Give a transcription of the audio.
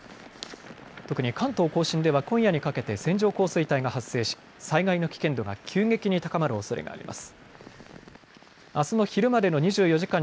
特に関東甲信では今夜にかけて線状降水帯が発生し災害の危険度が急激に高まるおそれがあります。